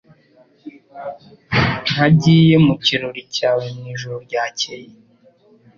ntagiye mu kirori cyawe mwijoro ryakeye